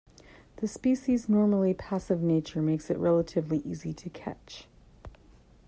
The species' normally passive nature makes it relatively easy to catch.